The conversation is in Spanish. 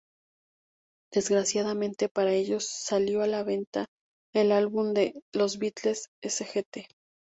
Desgraciadamente para ellos salió a la venta el álbum de The Beatles, Sgt.